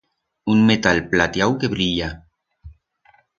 Un metal platiau que brilla.